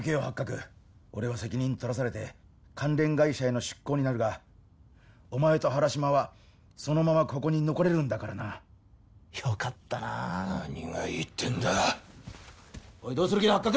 ハッカク俺は責任取らされて関連会社への出向になるがお前と原島はそのままここに残れるんだからなよかったなあ何がいいってんだおいどうする気だ！